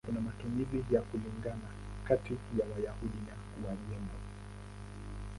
Kuna matumizi ya kulingana kati ya Wayahudi wa Uajemi.